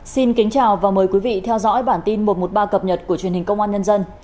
xin kính chào và mời quý vị theo dõi bản tin một trăm một mươi ba cập nhật của truyền hình công an nhân dân